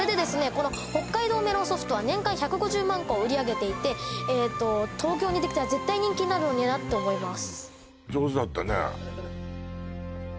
この北海道メロンソフトは年間１５０万個を売り上げていて東京にできたら絶対人気になるのになって思います